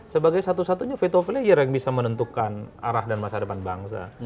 sebagai satu satunya veto player yang bisa menentukan arah dan masa depan bangsa